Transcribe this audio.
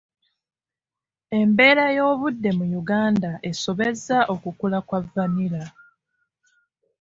Embeera y'obudde mu Uganda esobozesa okukula kwa vanilla.